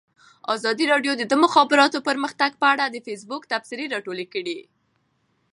ازادي راډیو د د مخابراتو پرمختګ په اړه د فیسبوک تبصرې راټولې کړي.